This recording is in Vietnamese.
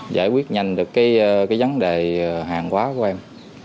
giải quyết nhanh được cái vấn đề hàng quá của em